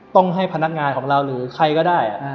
ต้องให้พนักงานของเราหรือใครก็ได้